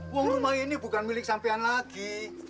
uang rumah ini bukan milik sampian lagi